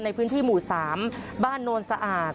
ในพื้นที่หมู่๓บ้านโนนสะอาด